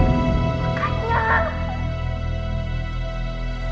jadi sekarang riffy sama michelle